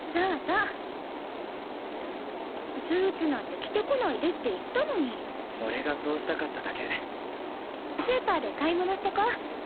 そうそうスーツなんて着てこないでって言ったのに俺がそうしたかっただけスーパーで買い物してこ